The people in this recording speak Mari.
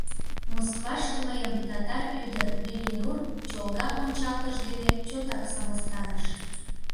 Москваште мыйым татар ӱдыр Бибинур чолга ончалтыш дене чотак сымыстарыш.